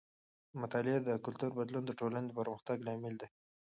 د مطالعې د کلتور بدلون د ټولنې د پرمختګ لامل دی.